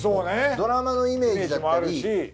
ドラマのイメージだったり。